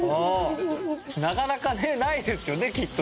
なかなかねないですよねきっと。